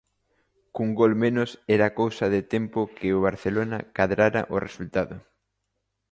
Cun gol menos, era cousa de tempo que o Barcelona cadrara o resultado.